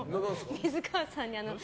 水川さん。